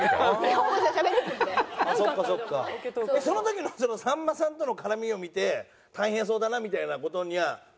その時のそのさんまさんとの絡みを見て大変そうだなみたいな事には。